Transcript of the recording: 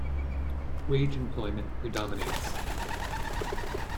Wage employment predominates.